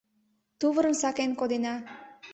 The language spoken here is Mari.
Тувырым сакен кодена.